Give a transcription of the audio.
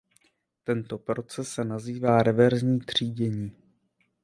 Tento proces se nazývá „reverzní třídění“.